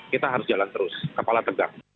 kita harus jalan terus kepala tegak